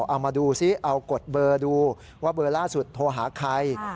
เอามาดูซิเอากดเบอร์ดูว่าเบอร์ล่าสุดโทรหาใคร